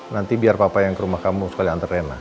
nanti biar papa yang ke rumah kamu sekali antar rena